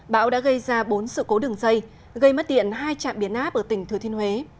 bão đã gây ra bốn sự cố đường dây gây mất điện hai trạm biến áp ở tỉnh thừa thiên huế